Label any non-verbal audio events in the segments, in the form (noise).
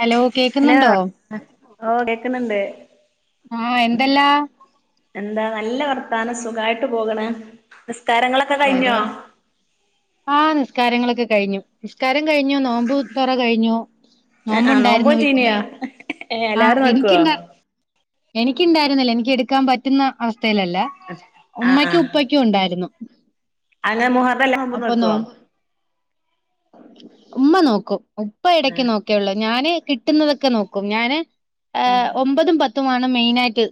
Hello hello കേക്കുന്നുണ്ടോ ഓഹ് കേക്ക്ണ് ണ്ട്. ആഹ് എന്തെല്ലാ എന്താ നല്ല വർത്താനം സുഖായിട്ട് പോകണ് നിസ്കാരങ്ങളൊക്കെ കഴിഞ്ഞോ. ആഹ് നിസ്കാരങ്ങളൊക്കെ കഴിഞ്ഞു നിസ്കാരം കഴിഞ്ഞു നോമ്പു തുറ കഴിഞ്ഞു. ആഹ് ആഹ് നോമ്പോ നോമ്പുണ്ടായിരുന്നു വീട്ടില് തീനിയോ ഏഹ് എല്ലാരും നോക്കുവോ. എനിക്കുണ്ടായിരുന്നല്ലേ എനിക്ക് എടുക്കാൻ പറ്റുന്ന അവസ്ഥയിലല്ല ആ ഉമ്മക്കും ഉപ്പക്കും ഉണ്ടായിരുന്നു. അങ്ങെ മുഹറ എല്ലാം നോമ്പ് നോക്കോ ഉമ്മ നോക്കും ഉപ്പ ഇടക്ക് നോക്കേള്ളൂ ഞാന് കിട്ടുന്നതൊക്കെ നോക്കും ഞാന് ഏഹ് ഒമ്പതും പത്തുംമാണ് മെയിനായിട്ട്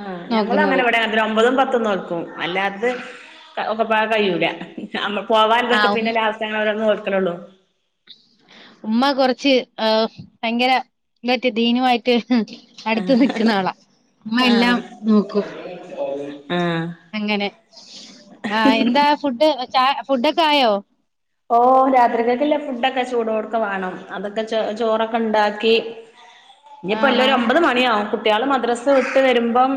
ആഹ് ഞങ്ങള് അങ്ങനെ നോക്കുന്നത് ഇവിടെ അതി ഒമ്പതും പത്തും നോക്കും അല്ലാത്ത ഒക്ക പോവാൻ ഉം കഴിയൂല നമ്മ പോവാൻ ഇതൊക്കെ ആഹ് ഉമ്മ പിന്നെ ലാസ്റ്റ് അങ്ങന ഓരോന്ന് കൊടുക്കലുള്ളൂ ഉമ്മ കുറച്ച് ആഹ് ഭയങ്കര എന്തറിയാ ദീനുമായിട്ട് അടുത്ത് നിക്കുന്ന ആളാ ഇമ്മ എല്ലാം നോക്കും ആഹ് അങ്ങനെ ആഹ് എന്താ ഫുഡ് ച ഫുഡൊക്കെ ആയോ ഓഹ് രാത്രിക്കല്ലേ ഫുഡൊക്കെ ചൂടോട്ക്ക വാണം അതൊക്കെ ചോ ചോറൊക്കെ ഇണ്ടാക്കി ഇനിയിപ്പോ വല്ല ആഹാ ഒരു ഒമ്പത് മണിയാവും കുട്ടിയൊള് മദ്രസ് വിട്ട് വരുമ്പം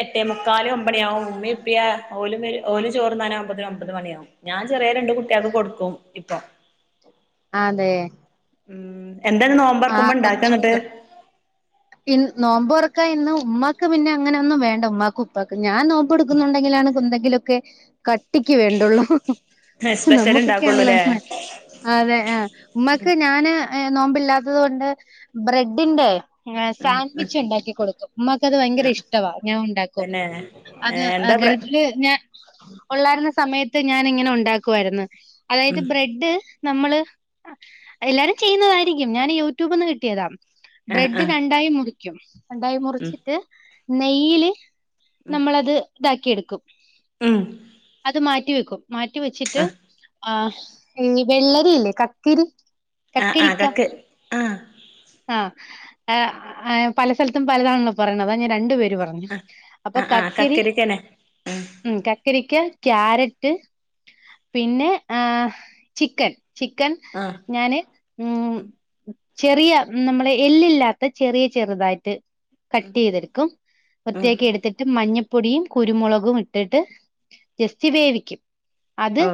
എട്ടേ മുക്കാലും ഒമ്പണിയാവും ഉമ്മീംപ്പയും ഓലും ഓൽ ചോറ്ന്നാനാവുമ്പോത്തിന് ഒമ്പത് മണിയാവും ഞാൻ ചെറിയ രണ്ട് കുട്ടിയോക്ക് കൊടുക്കും ഇപ്പം അതെ ഉം എന്താണ് നോമ്പർക്കുമ്പോ ഇണ്ടാക്ക എന്നിട്ട് ഇന്ന് നോമ്പർക്കാൻ ഇന്ന് ഉമ്മാക്ക് പിന്നെ അങ്ങനെ ഒന്നും വേണ്ട ഉമ്മാക്കും പ്പാക് ഞാൻ നോമ്പ്എടുക്കുന്നുണ്ടെങ്കിലാണ് എന്തെങ്കിലോക്കെ ക കട്ടിക്ക് വേണ്ടുള്ളൂ സ്പെഷ്യൽ ഇണ്ടാക്കുള്ളൂല്ലേ നമ്മുക്കൊക്കെയാണല്ലോ അതെ ആ ഉമ്മാക്ക് ഞാന് നോമ്പില്ലാത്തത് കൊണ്ട് ബ്രെഡിന്റെ ഏഹ് ഉം ഉം സാൻവിച് ഉണ്ടാക്കി കൊടുക്കും ഉമ്മാക്ക് അത് ഭയങ്കര ആ ഇഷ്ടവാ ഞാൻ ഉണ്ടാക്കും തന്നെ അത് എന്താ പ്ര ഗൾഫില് ഞാൻ ഉള്ളായിരുന്ന സമയത്ത് ഞാൻ ഇങ്ങനെ ഉണ്ടാക്കുവായിരുന്നു അതായത് ഉം ബ്രെഡ് നമ്മള് എല്ലാരും ചെയ്യുന്നതായിരിക്കും ഞാൻ യൂട്യൂബ്ന്ന് കിട്ടിയതാ ആ ബ്രെഡ് ആ രണ്ടായി മുറിക്കും രണ്ടായി ഉം മുറിച്ചിട്ട് നെയ്യിൽ ഉം നമ്മളത് ഇതാക്കി എടുക്കും ഉം അത് മാറ്റി വെക്കും മാറ്റി വെച്ചിട്ട് ആ ആഹ് ഇഞ് വെള്ളരില്ലേ കക്കരി ആ ആ കക്കരിക്ക കക്ക് ആ ആ ഏഹ് പല സ്ഥലത്തും പലതാണല്ലോ പറയണത് അതാ ഞാൻ രണ്ടുപേരും പറഞ്ഞു ആ അപ്പൊ ആ ആ കക്കരി കക്കരിക്കനെ ഉം കക്കരിക്ക കാരറ്റ് പിന്നെ ഏഹ് ചിക്കൻ ചിക്കൻ ആഹ് ഞാന് ഉം ചെറിയ നമ്മുടെ എല്ലില്ലാത്ത ചെറിയ ചെറുതായിട്ട് കട്ട്യ്തെടുക്കും ഉം വൃത്തിയാക്കി എടുത്തിട്ട് മഞ്ഞപ്പൊടിയും കുരുമുളകും ഇട്ടിട്ട് ജസ്റ്റ് വേവിക്കും അത് ഓ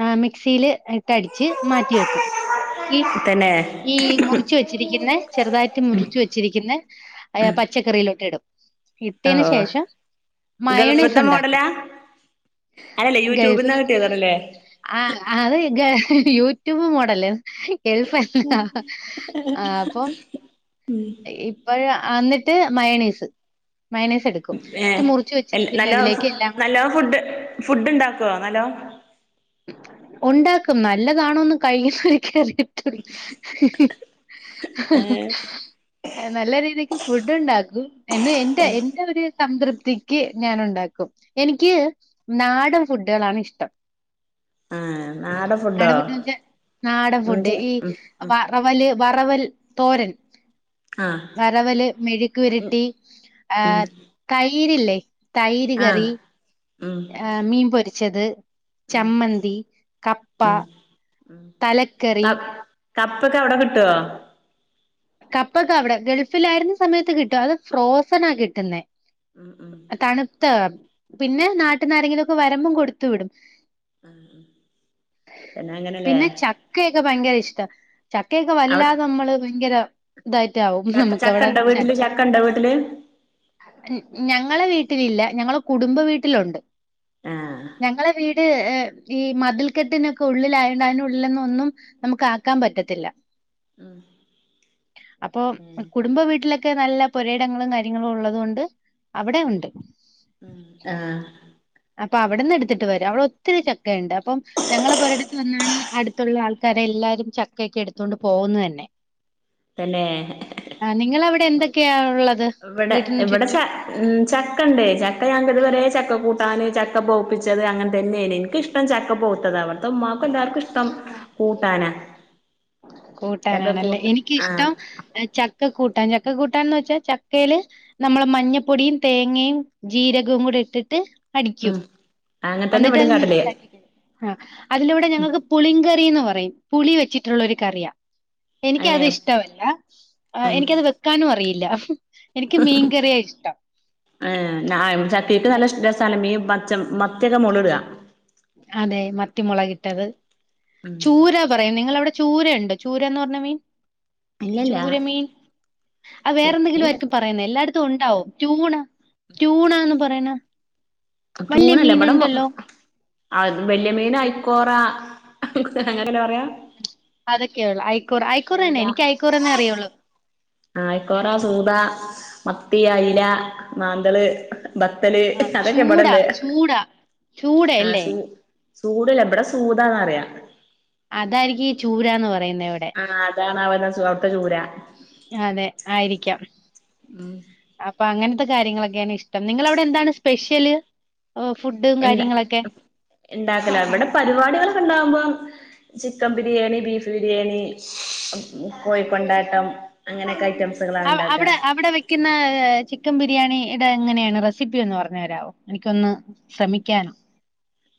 ഏഹ് മിക്സിൽ ഇട്ടടിച്ച് മാറ്റി വെക്കും ഈ തന്നെ ഈ മുറിച്ച് വെച്ച ചിരിക്കുന്ന ചെറുതായിട്ട് മുറച്ച് വെച്ചിരിക്കുന്ന ഏഹ് പച്ചക്കറിയിലോട്ട് ഇടും ഓ ഇട്ടയ്ന് ഓ ശേഷം മയോണീസ് ഉണ്ടാക്കും അതല്ലേ ഗൾഫും യൂട്യൂബ്ന്ന് കിട്ടിയതാണല്ലേ ആഹ് അത് യൂട്യൂബ് മോഡല് ഗൾഫല്ലേ ആഹ് അപ്പൊ ഇപ്പോഴ അന്നിട്ട് മയണീസ് മയണീസ് എടുക്കും ഏ ക്കും ന്നട്ട് മുറിച്ച് വെച്ചിരിക്കുന്ന ഇതിലേക്ക് എല്ലാം കൂടെ ഫുഡ്‌ ഫുഡ് ഉണ്ടാക്കോ നല്ലോം ഉണ്ടാക്കും നല്ലതാണോന്ന് കഴിചോക്കിയാൽ അറിയാ ഏ (unintelligible) നല്ല രീതിക്ക് ഫുഡ് ഉണ്ടാക്കും എന്നും എന്റെ എന്റെ ഒരു സംതൃപ്തിക്ക് ഞാൻ ഉണ്ടാക്കും എനിക്ക് നാടൻ ഫുഡ്‌കള്ളാണ് ഇഷ്ടം ആഹ് നാടൻ നാടൻ ഫുഡോ ഫുഡ് വെച്ച നാടൻ ഉം ഫുഡ് ഈ ഉം ഉം വറവല് വറവൽ തോരൻ ആഹ് വറവല് മെഴുക്കു വെരട്ടി ഉം ഏഹ് തൈരില്ലേ തൈര് ആ കറി ഉം ആ മീൻ പൊരിച്ചത്. ഉം ചമ്മന്തി, കപ്പ, ഉം തലക്കറി. കപ്പൊക്കെ എവിടെ കിട്ടുവോ കപ്പക്ക അവിടെ ഗൾഫിൽ ആയിരുന്ന സമയത്ത് കിട്ടും അത് ഫ്രോസണ കിട്ടുന്നേ ഉം ഉം തണുത്ത പിന്നെ നാട്ടന്നാരങ്കിലുംക്കെ വരമ്പും കൊടുത്തു വിടും പിന്നെ അങ്ങനെല്ലേ പിന്നെ ചക്കയൊക്കെ ഭയങ്കര ഇഷ്ട ചക്കയൊക്കെ അവ വല്ലാതെ നമ്മള് ഭയങ്കര ഇതായിട്ട ആവും ചക്ക നമുക്ക് അവിടെ ചക്കണ്ടോ വീട്ടില് ചെക് ചക്കണ്ടോ വീട്ടില് ഞങ്ങളെ വീട്ടിലില്ല ഞങ്ങളെ കുടുംബ വീട്ടിലുണ്ട്. ആ ഞങ്ങളെ വീട് ഏ ഈ മതിൽക്കെട്ടിനൊക്കെ ഉള്ളിലയണ്ട് അതിനുള്ളിൽന്ന ഒന്നും നമുക്ക് ആക്കാൻ പറ്റത്തില്ല. ഉം അപ്പൊ കുടുംബ വീട്ടിലൊക്കെ നല്ല പുരയിടങ്ങളും കാര്യങ്ങളും ഉള്ളതുകൊണ്ട്. അവിടെ ഉണ്ട്. ഉ ആഹ് അപ്പൊ അവിടെന്ന് എടുത്തിട്ട് വരും അവിടെ ഒത്തിരി ചക്കുണ്ട് അപ്പം. ഞങ്ങളപ്പോ ഒരിടത്ത് വന്നാണ് ഞങ്ങളെ പൊരിയടുത്തു നിന്നാണ്അടുത്തുള്ള ആൾക്കാരെ എല്ലാരും ചക്കൊക്കെ എടുത്തൊണ്ട് പോകന്ന് തന്നെ. തന്നെ ആ നിങ്ങളൊ അവിടെ എന്തൊക്കെയാ ഉള്ളത്. ഇവിടെ വീട്ടിന് ഇവിടെ ചുറ്റും ച ഉ ചക്ക ഉണ്ടേ ചക്ക ഞൻക്ക്തുവരെ ചക്ക കൂട്ടാന് ചക്ക പഴുപ്പിച്ചത് അങ്ങനെ തന്നെയ എനിക്കിഷ്ടം ഷ്ടം ചെക്ക പോത്തത് അവിടത്തെ ഉമ്ക്കും എല്ലാവർക്കും ഇഷ്ടം കൂട്ടാന്. കൂട്ടാനാണല്ലേ എനിക്കിഷ്ടം. ച ചക്ക കൂട്ടൻ ചക്ക കൂട്ടാൻന്ന് വെച്ചാൽ ചക്കയില്. നമ്മള് മഞ്ഞപ്പൊടിയും തേങ്ങയും ജീരകവും കൂടി ഇട്ടിട്ട് അടിക്കും ഉം അങ്ങനെ തന്നെ എന്നിട്ട് ഇവിടെയും അത് കാട്ടല് മിക്സ് ആക്കി ആ അതിലൂവിടെ ഞങ്ങൾക്ക് പുളികറിന്ന് പറയും പുളി വെച്ചിട്ടുള്ള ഒരു കറിയാ എനിക്കത് ഏഹ് ഇഷ്ടമല്ല ഉം എനിക്കത് വെക്കാനും അറിയില്ല. എനിക്ക് മീൻ കറിയ ഇഷ്ടം. ചക്കക്ക് നല്ല രസലം മിൻ ഈ പച്ച മത്തിയൊക്കെ മുള് ഇട അതെ മത്തിമുളകിട്ടത് ഉം ചൂര പറയാ നിങ്ങളവിടെ ചൂരുണ്ട് ചൂരന്ന് പറഞ്ഞ മീൻ ഇല്ലല്ല ചൂര മീൻ അ വേറെ എന്തെങ്കിലും ആയിരിക്കും പറയുന്ന എല്ലായിടത്തും. ഉണ്ടാവും ചൂണ ചൂണന്ന് പറയണ വലിയ മീൻ ഉണ്ടല്ലോ അത് വല്യ മീനയിക്കോറ അങ്ങനെയല്ലാം പറയാ അതൊക്കെയ ഉള്ള ആക്കൂറ അഐക്കൂർ താണ് എനിക്ക്യക്കൂർന്നെ അറിയുള്ളൂ ആയക്കോറ, സൂത, മത്തി, അയില, മാന്തള്, ബത്തല്, ആഹ് ചൂടാ അതൊക്കെവിടല്ലേ ചൂടാ ചൂടയല്ലേ ആസു സൂടല്ല എവിടെ സൂദാന്ന്റിയ അതായിരിക്കും ഈ ചൂരന്ന് പറയുന്ന ഇവിടെ ആഹ് അതാണ് അവന്ന അവിത്ത ചൂര അതെ ആയിരിക്കാം. ഉ അപ്പൊ അങ്ങനത്തെ കാര്യങ്ങളൊക്കെയാണ് ഇഷ്ടം നിങ്ങള അവിടെ എന്താണ് സ്പെഷ്യല്. ഓഹ് ഫുഡും എ കാര്യങ്ങളൊക്കെ ഉണ്ടാക്കല ഇവിടെ പരിപാടികൾൊക്കെ ഉണ്ടാവുമ്പോം. ചിക്കൻ ബിരിയാണി ബീഫ് ബിരിയാണി, ഉം കോഴിക്കൊണ്ടാട്ടം, അങ്ങനെയൊക്കെ ഐറ്റംസ്. അവിടെ അവിടെ വ ക്കുന്ന ചിക്കൻ ബിരിയാണി ഇടെ എങ്ങനെയാണ് റെസിപ്പി ഒന്ന് പറഞ്ഞഞ് തരാവോ എനിക്കൊന്ന്. ശ്രമിക്കാൻ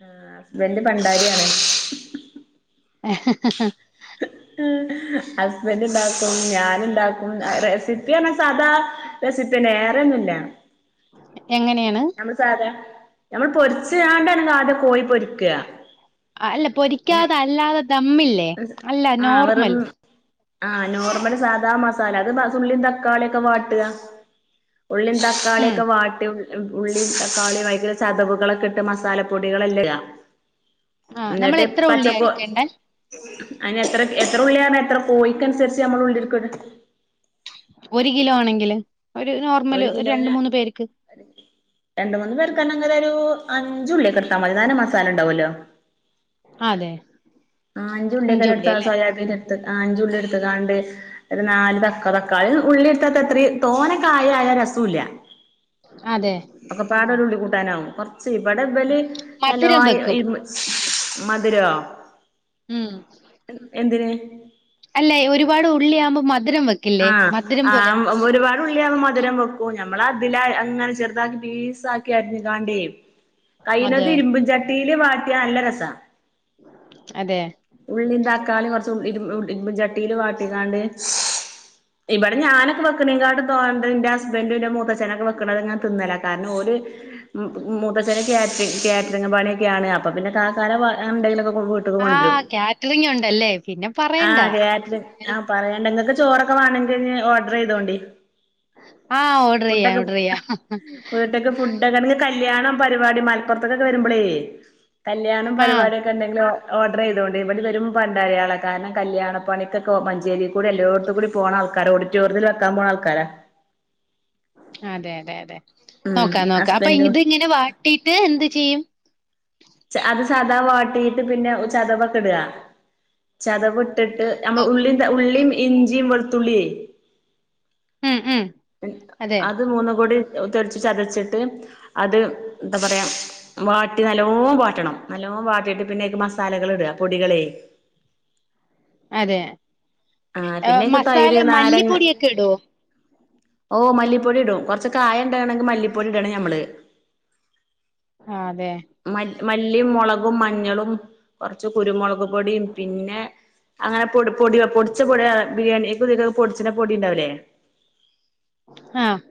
ആഹ് ഹസ്ബൻറ്റ് പണ്ടാരിയാണ് ഏ ഹ്ഹ് ഹസ്ബൻഡ്ണ്ടാക്കും ഞാന ഉണ്ടാക്കും റെസിപ്പിയണ സാധാ റെസപ്പി തന്നെ വേറെ ഒന്നുംല്ല എങ്ങനെയാണ് നമ്മ സാധ നമ്മൾ പൊരിച്ച് ങ്ങാണ്ട ല്ലാണ്ട് കോഴി പൊരിക്കുക അല്ല ഏ പൊരിക്കാതെ അല്ലാതെ ദമ്മില്ലേ അല്ല ആഹ് വെറും നോർമൽ ആഹ് നോർമൽ സാധാ മസാല അത് ഉള്ളിംതക്കാളിയ ഒക്കെ വാട്ടുക ഉള്ളീം ഉം തക്കാളിയൊക്കെ വാട്ടും ഉള്ളി തക്കാളിയ വൈക്കുന്ന ചതവുകളൊക്കെ ഇട്ട് മസാലപ്പൊടികളെല്ലാം ഇടുക ആഹ് നമ്മൾ അന്നിട്ട് എത്ര ഉള്ളിയാ പച്ചക്ക് എടുക്കേണ്ടേ അതിന് എത്ര എത്ര ഉള്ളിയാണ് എത്ര കോയ്ക്ക അനുസരിച്ച് നമ്മൾ ഉള്ളിരിക്കത് ഒരു കിലോ ആണെങ്കില് ഒരു ഒരു നോർമല് രണ്ട കിലോന് മൂന്ന് പേർക്ക് രണ്ട് മൂന്ന് പേർക്കണെങ്കില് ഒരു അഞ്ച് ഉള്ളിലൊക്കെ എടുത്താ മതി നല്ല മസാല ഉണ്ടാവുമല്ലോ അതെ ആഹ് അഞ്ചുള്ളി എടുത്തയാക്ക സൊയാബീന് എടുത്ത് അഞ്ചുള്ളി എടുത്ത്ക്കാണ്ട് ഒരു നാല് താ തക്കാളി ഉള്ളി എടുത്താത്ത അത്രയും തോന കായായ രസല്ല അതെ ഒക്കെ പാട ഒരുള്ളി കൂട്ടാനാവും കൊറച്ച് ഇവിടെ ഇല് നല്ലോ മധുരം വെക്കും മധുരോ മം എന്തിന് അല്ലേ ഒരുപാട് ഉള്ളിയാവുമ്പോൾ മധുരം വെക്കും ആ ഹ്ആഹ് ഒരുപാട് ഉള്ളിയകുമോ മധുരം വെക്കും മ്മള അതില അങ്ങനെ ചെറുതാക്കി പീസ ആക്കി അരിഞ്ഞു കാണ്ടേയും കൈനത് അതെ ഇരുമ്പും ചട്ടിയില് വാട്ടിയ നല്ല രസ അതെ ഉള്ളി തക്കാളി കുറച്ച് ഇരുമ്പും ചട്ടിൽ വാട്ടിക്കാണ്ട് ഇവിടെ ഞാനൊക്കെ വെക്കണെ കാട് തോണ്ട എന്റെ ഹസ്ബൻഡും എന്റെ മൂത്തച്ഛനൊക്കെ വെക്കണങ്ങനെ തിന്നലില്ല കാരണം ഓന് മുത്തച്ചന കാറ്റ കാറ്ററിങ്ങ് പണിയൊക്കെയാണ് അപ്പൊ പിന്നെ കാക്കഎന്തെിലൊക്കെ കൊ ആഹ്കാറ്ററിങ് ഉണ്ടല്ലേ പിന്നെ പറയണ്ടാ ആഹ് കാറ്ററിംഗ് ആഹ് പറയണ്ട നിങ്ങൾക്ക് ചോറൊക്കെ വേണമെങ്കിൽ ഓർഡർ ചെയ്തോണ്ടി ആഹ് ഓഡർ ചെയ്യാം ഓർഡർ ചെയ്യാം ണെങ്കിൽ കല്യാണം പരിപാടി മലപ്പുറത്തക്കൊക്കെ വരുമ്പോളേ കല്യാണം ആഹ് പരിപാടിയൊക്കെ ഉണ്ടെങ്കിലോ ഓർഡർ ചെയ്തൊണ്ട് ഇവിടെ വരും പണ്ടരയാളാണ് കാരണം കല്യാണപ്പണിക്കൊ മഞ്ചേരിൽ കൂടി എല്ലോടത്തും കൂടി പോണ ആൾക്കാര ഓഡിറ്റോറിയത്തിൽ വക്കാൻ പോണ ആൾക്കാരാ അതെ അതെ അതെ ഉം നോക്കാം നോക്കാം അപ്പൊ ഹസ്ബൻഡും ഇത് ഇങ്ങനെ വാട്ടീട്ട് എന്ത് ചെയ്യും അത് സാദാ വാട്ടിട്ട് പിന്നെ ചതവൊക്കെ ഇടുക ചതവ് ഇട്ടിട്ട് നമ്മൾ ഉ ഉള്ളിയും ഇഞ്ചിയും വെളുത്തുള്ളിയേ മം മം അത് മൂന്നുകൂടി തൊടിച്ച് ചതച്ചിട്ട് അത് എന്താ പറയാ വാട്ടി നല്ലോ വാട്ടണം നല്ലോ വാട്ടിയിട്ട് പിന്നെക്ക് മസാലകൾ ഇടുക പൊടികളെ അതെ ആ പിന്നേക്ക് മസാല തൈര് നാരങ്ങ മല്ലിപ്പൊടിയൊക്കെ ഇടുവോ ഓ മല്ലിപ്പൊടിഇടും കുറച്ച് കായം ഉണ്ടണമെങ്ക മല്ലപ്പൊടി ഇടണം ഞമ്മള് ആഹ് അതെ മല്ലി മല്ലിം മൊളകും മഞ്ഞളും കൊറച്ച് കുരുമൊളക് പൊടിയും പിന്നെ അങ്ങനെ പൊട പൊടിച്ച പൊട ബിരിയാണിക്കും ഇതിക്കും പൊടിച്ച പൊടി ഇണ്ടാവൂല്ലേ ആഹ്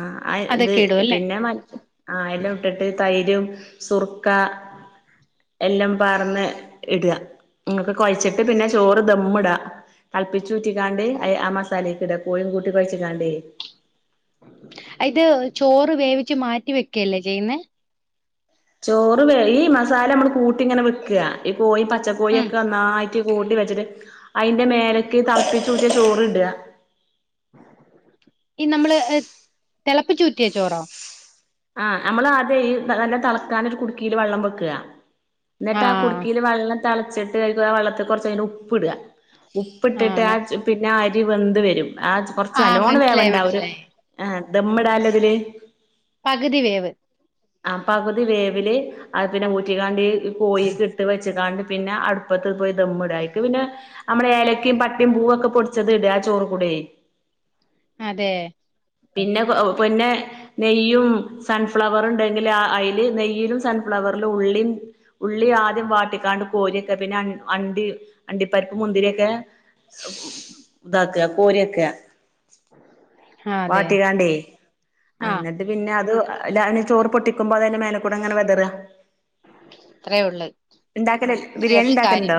ആഹ് ഇത് അതൊക്കെ ഇടും അല്ലേ പിന്നെ ആ എല്ലാം ഇട്ടിട്ട് തൈരും സുർക്ക എല്ലാം പർന്ന് ഇടാ ഇങ്ങൾക്ക് കൊഴച്ചിട്ട് പിന്നെ ചോറ് ദമ്മിടാ തൾപ്പിച്ചൂറ്റിക്കാണ്ട് അയ് ആഹ് മസാലേക്കിടാ കോഴും കൂട്ടി കൊയ്ച്ചിക്കാണ്ടേ ഇത് ചോറ് വേവിച്ച് മാറ്റി വെക്കല്ലേ ചെയ്യുന്നേ ചോറ് വേ ഈ മസാലമ്മള് കൂട്ടിങ്ങനെ വെക്ക ഈ കോഴി ഉം പച്ചക്കോയൊക്കെന്നായി റ്റ് കൂട്ടി വെച്ച്ട്ട് അയ്ന്റെ മേലക്ക് തൾപ്പിച്ചൂറ്റിയ ചോറ്ട ഈ നമ്മള് തെളപ്പിച്ചൂറ്റിയ ചോറോ ആഹ് ഞമ്മളാദ്യം ഈ നല്ല തളക്കാനൊരു കുട്ക്കേല് വള്ളം വെക്ക ന്നട്ടാ ആഹ് കുട്ക്കീല് വള്ളം തൾച്ചിട്ട് അയ്ക്കാ ആ വള്ളത്ത്ക്ക് കൊർച്ചയ്ടഞ്ഞ്ട്ട് ഉപ്പിട ആഹ് ഉപ്പ്ട്ടിട്ട് ആ മനസ് പിന്നെ അരി വെന്ത് വെരും ആ കൊർച്ച് ആഹ് നല്ലോണം മനസ്സിലായി വേവണ്ട ഒരു മനസ്സിലായി ആഹ് ദമ്മിടാല്ലതില് പകുതി വേവ് ആഹ് പകുതി വേവില് അഹ്പിന്നെ ഊറ്റിക്കാണ്ട് കോയീക്ക്ട്ട് വെച്ച്ക്കാണ്ട് പിന്നെ അടു പ്പത്ത് പോയ് ദമ്മ്ട അയ്ക്ക് പിന്നെ ഞമ്മള ഏലക്കിം പട്ടിം പൂവൊക്കെ പൊട്ച്ചത് ഇട ആ ചോറ്ക്കൂടെയ് അതെ പിന്നെ കൊ പൊന്നെ നെയ്യും സൺഫ്ലവറ്ണ്ടെങ്കില് അയ്ല് നെയ്യിലും സൺഫ്ലവർലും ഉള്ളിം ഉള്ളി ആദ്യം വാട്ടിക്കാണ്ട് കോര്യക്ക പിന്നെ അണ്ടി അണ്ടിപ്പരിപ്പും മുന്തിര്യക്കെ താക്ക കോര്യക്ക ആഹ് അതെ വാട്ടികാണ്ടേ ആഹ് ന്ന പിന്നെ അത് ല ചോറ് പൊട്ടിക്കുബോ അത്അയിന്റെ മേലക്കൂടങ്ങനെ വെതറ അത്രേ ഉള്ളു ണ്ടാക്കലലെ അത്രേ ഉള്ളു കാര്യം ബിരിയാണിണ്ടാക്കൽണ്ടോ?